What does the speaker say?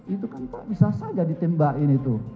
itu kan pak bisa saja ditembak ini tuh